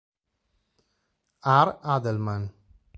R. Haldeman.